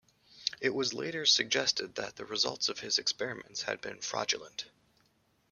It was later suggested that the results of his experiments had been fraudulent.